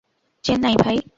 চেন্নাই, ভাই।